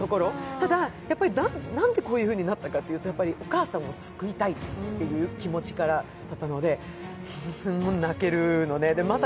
ただ、なんでこういうふうになったかというと、お母さんを救いたいという気持ちからなのですごい泣けるのね。